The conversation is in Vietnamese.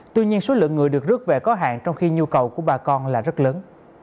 tuy nhiên số lượng người được rước về có hạn trong khi nhu cầu của bà con là rất lớn